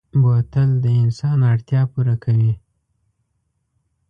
بوتل د انسان اړتیا پوره کوي.